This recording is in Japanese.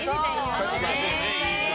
確かにね。